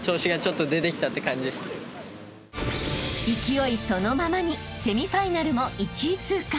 ［勢いそのままにセミファイナルも１位通過］